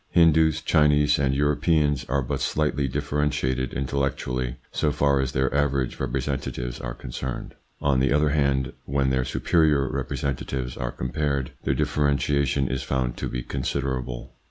Hindoos, Chinese, and Europeans are but slightly differentiated intellectually so far as their average representatives are concerned. On the other hand, when their superior representatives are compared their differentiation is found to be considerable.